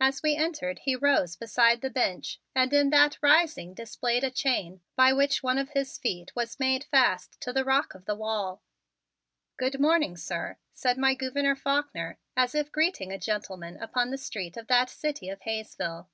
As we entered he rose beside the bench and in that rising displayed a chain by which one of his feet was made fast to the rock of the wall. "Good morning, sir," said my Gouverneur Faulkner, as if greeting a gentleman upon the street of that city of Hayesville.